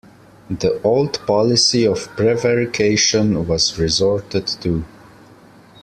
The old policy of prevarication was resorted to.